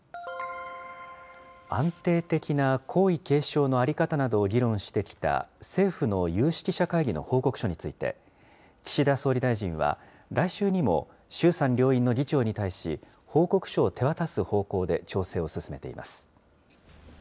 安定的な皇位継承の在り方などを議論してきた政府の有識者会議の報告書について、岸田総理大臣は来週にも衆参両院の議長に対し、報告書を手渡す方向で調整を進めています。